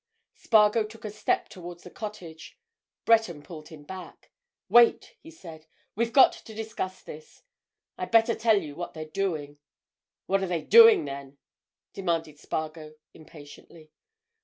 Spargo took a step towards the cottage: Breton pulled him back. "Wait!" he said. "We've got to discuss this. I'd better tell you what they're doing." "What are they doing, then?" demanded Spargo impatiently.